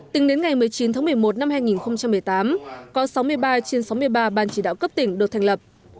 tính đến ngày một mươi chín tháng một mươi một năm hai nghìn một mươi tám có sáu mươi ba trên sáu mươi ba ban chỉ đạo cấp tỉnh được thành lập